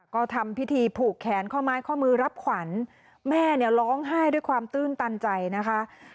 ก็ทำพิธีผูกแขนข้อไม้ข้อมือรับขวัญแม่เนี่ยร้องไห้ด้วยความตื้นตันใจนะคะ